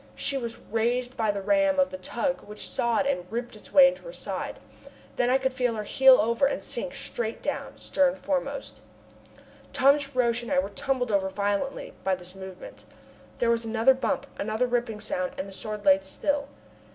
She was raised by the ram of the tug which sawed and ripped its way into her side. Then I could feel her heel over and sink straight down, stern foremost. Thomas Roch and I were tumbled over violently by. this movement. There was another bump, another ripping sound, and the Sword lay still.